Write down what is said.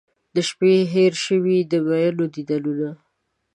د شپې هیر شوي د میینو دیدنونه